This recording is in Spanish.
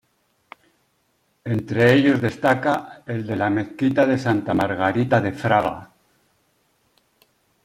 Entre ellos destaca el de la Mezquita de Santa Margarita de Fraga.